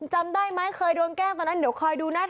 จำได้ไหมเคยโดนแกล้งตอนนั้นเดี๋ยวคอยดูนะ